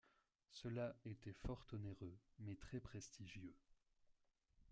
Cela était fort onéreux mais très prestigieux.